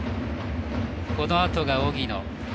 このあとが荻野。